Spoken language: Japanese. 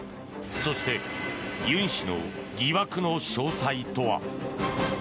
そしてユン氏の疑惑の詳細とは。